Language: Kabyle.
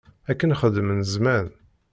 Akken xeddmen zzman.